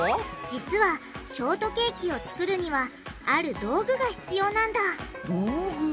実はショートケーキを作るにはある道具が必要なんだ。